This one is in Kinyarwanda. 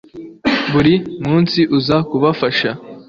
Buri munsi uza kubafasha